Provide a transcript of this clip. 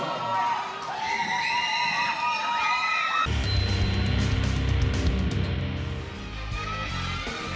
ต้องระวังหมดยกสอง